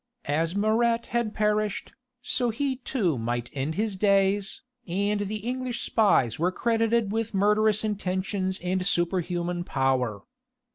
As Marat had perished, so he too might end his days, and the English spies were credited with murderous intentions and superhuman power.